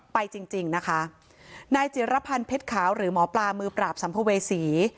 จริงจริงนะคะนายจิรพันธ์เพชรขาวหรือหมอปลามือปราบสัมภเวษี